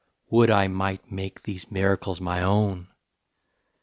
Would I might make these miracles my own!